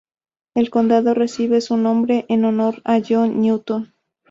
El condado recibe su nombre en honor a John Newton.